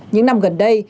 những năm gần đây